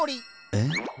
えっ？